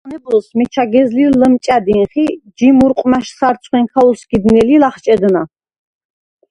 აშხვ ნებოზს მიჩა გეზლირ ლჷმჭა̈დინხ, ჯი მურყვმა̈შ სარცხვენქა ოსგიდნელი, ლახჭედნა: